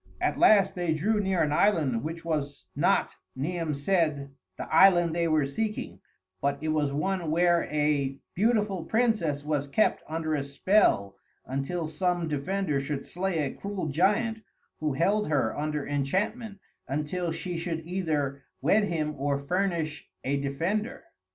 At last they drew near an island which was not, Niam said, the island they were seeking; but it was one where a beautiful princess was kept under a spell until some defender should slay a cruel giant who held her under enchantment until she should either wed him or furnish a defender.